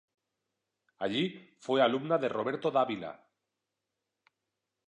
Allí, fue alumna de Roberto Dávila.